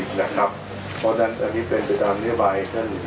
เพราะฉะนั้นอันนี้เป็นการเลี่ยวไวที่